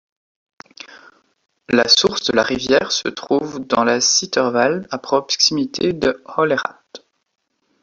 La source de la rivière se trouve dans la Zitterwald à proximité de Hollerath.